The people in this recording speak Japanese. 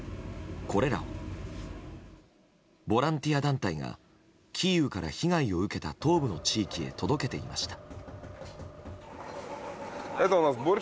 これらはボランティア団体がキーウから被害を受けた東部の地域へ届けていました。